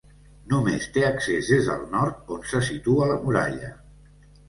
Només té accés des del nord, on se situa la muralla.